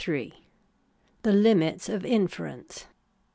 ■— The Limits of Inference.